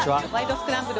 スクランブル」